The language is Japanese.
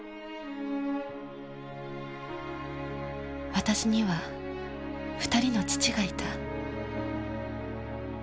私には２人の父がいた。